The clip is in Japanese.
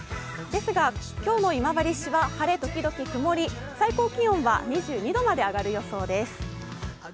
ですが、今日の今治市は晴れときどき曇り、最高気温は２２度まで上がる予想です。